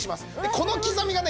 このきざみがね